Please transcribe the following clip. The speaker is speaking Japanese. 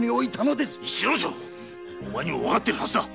お前にもわかっているはずだ！